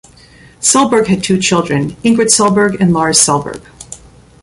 Selberg had two children, Ingrid Selberg and Lars Selberg.